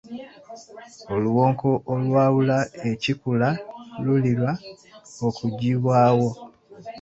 Oluwonko olwawula ekikula lulira okuggyibwawo.